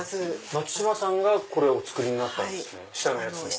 松島さんがこれをお作りになった下のやつも。